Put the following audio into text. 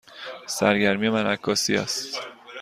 سرگرمی من عکاسی است.